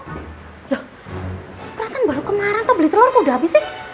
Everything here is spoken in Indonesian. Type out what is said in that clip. loh perasaan baru kemarin tau beli telur kok udah habis ya